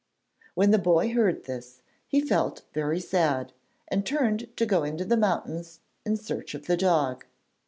When the boy heard this, he felt very sad, and turned to go into the mountains in search of the dog.